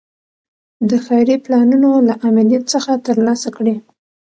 د ښاري پلانونو له آمریت څخه ترلاسه کړي.